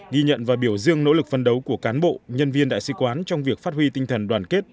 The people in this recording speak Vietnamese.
ghi nhận và biểu dương nỗ lực phân đấu của cán bộ nhân viên đại sứ quán trong việc phát huy tinh thần đoàn kết